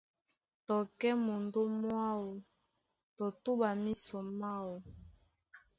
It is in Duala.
Tɔ kɛ́ mondó mwáō tɔ túɓa mísɔ máō.